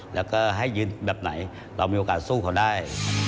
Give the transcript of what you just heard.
แล้วก็ให้ยืนแบบไหนเรามีโอกาสสู้เขาได้